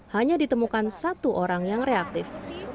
hanya ditemukan satu orang yang reaktif